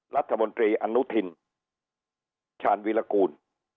รัฐมนตรีอนุทินชาญวิรากูล